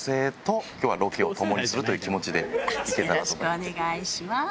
よろしくお願いします！